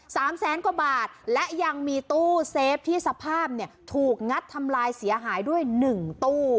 ๓แสนกว่าบาทและยังมีตู้เซฟที่สภาพถูกงัดทำลายเสียหายด้วย๑ตู้